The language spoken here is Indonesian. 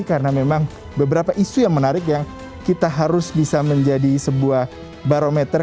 karena memang beberapa isu yang menarik yang kita harus bisa menjadi sebuah barometer